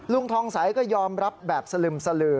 ลุงทองสายก็ยอมรับแบบสลึม